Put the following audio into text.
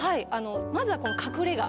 まずはこの「隠れ家」